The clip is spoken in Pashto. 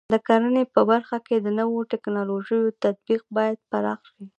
د کرنې په برخه کې د نوو ټکنالوژیو تطبیق باید پراخ شي.